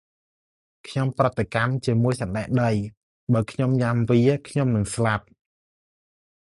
ខ្ញុំប្រតិកម្មជាមួយសណ្ដែកដី។ បេីខ្ញុំញ៉ាំវា ខ្ញុំនឹងស្លាប់។